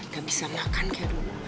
gak bisa makan kak reva